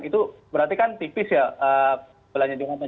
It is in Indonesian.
itu berarti kan tipis ya belanya jonathan